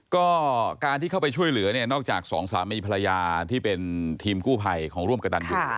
ก็การที่เข้าไปช่วยเหลือเนี่ยนอกจากสองสามีภรรยาที่เป็นทีมกู้ภัยของร่วมกระตันอยู่